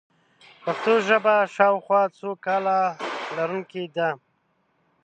پښتو ژبه شاوخوا څو کاله لرونکې ده.